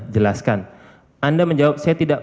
jelaskan anda menjawab saya tidak